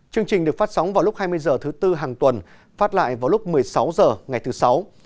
chương trình được phát sóng vào lúc hai mươi h thứ tư hàng tuần phát lại vào lúc một mươi sáu h ngày thứ sáu